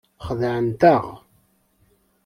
Xedɛent-aɣ.